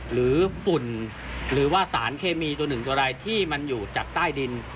ฝุ่นหรือว่าสารเคมีตัวหนึ่งตัวอะไรที่มันอยู่จากใต้ดิน